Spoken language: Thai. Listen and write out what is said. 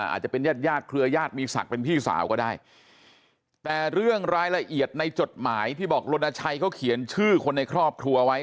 อาจจะเป็นญาติญาติเครือญาติมีศักดิ์เป็นพี่สาวก็ได้แต่เรื่องรายละเอียดในจดหมายที่บอกรณชัยเขาเขียนชื่อคนในครอบครัวไว้